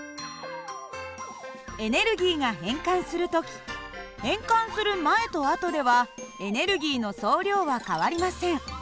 エネルギーが変換する時変換する前と後ではエネルギーの総量は変わりません。